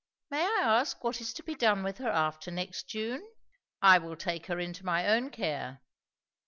"May I ask, what is to be done with her after next June?" "I will take her into my own care."